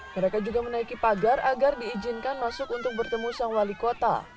mereka juga menaiki pagar agar diizinkan masuk untuk bertemu sang wali kota